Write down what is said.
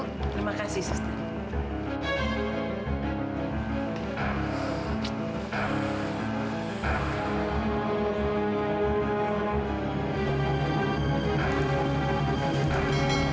terima kasih sisten